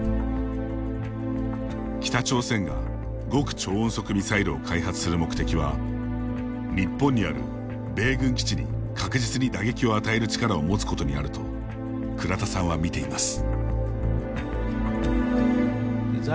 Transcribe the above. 北朝鮮が極超音速ミサイルを開発する目的は日本にある米軍基地に確実に打撃を与える力を持つことにあると倉田さんは見ています。